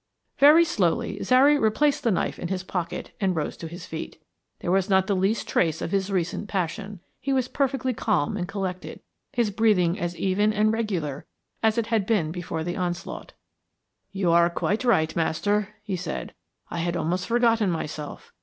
Very slowly Zary replaced the knife in his pocket and rose to his feet. There was not the least trace of his recent passion he was perfectly calm and collected, his breathing was as even and regular as it had been before the onslaught. "You are quite right, master," he said. "I had almost forgotten myself.